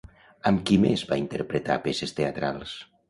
Amb qui més va interpretar peces teatrals?